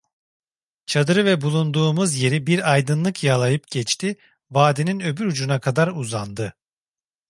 Çadırı ve bulunduğumuz yeri bir aydınlık yalayıp geçti, vadinin öbür ucuna kadar uzandı.